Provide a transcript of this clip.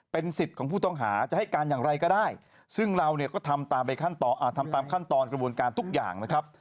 เป็นสิทธิ์ของผู้ต้องหาจะให้การอย่างไรก็ได้ซึ่งเราเนี่ยก็ทำตามขั้นตอนกระบวนการทุกอย่างนะครับ